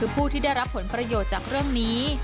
ผู้ที่ได้รับผลประโยชน์จากเรื่องนี้